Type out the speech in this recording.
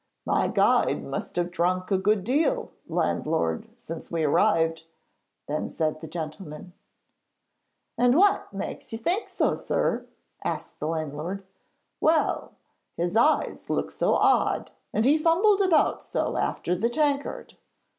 'My guide must have drunk a good deal, landlord, since we arrived,' then said the gentleman. 'And what makes you think so, sir?' asked the landlord. 'Well, his eyes look so odd, and he fumbled about so after the tankard.'